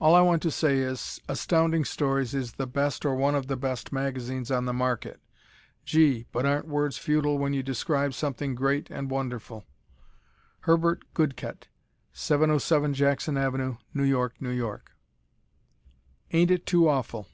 All I want to say is, Astounding Stories is the best or one of the best magazines on the market. Gee, but aren't words futile when you describe something great and wonderful! Herbert Goodket, 707 Jackson Avenue, New York, N. Y. _Ain't It Too Awful!